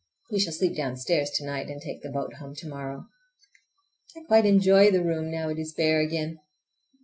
We shall sleep downstairs to night, and take the boat home to morrow. I quite enjoy the room, now it is bare again.